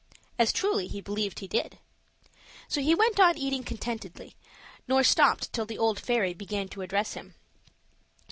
As truly he believed he did. So he went on eating contentedly, nor stopped till the old fairy began to address him.